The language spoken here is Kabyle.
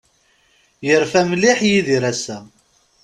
Yerfa mliḥ Yidir ass-a.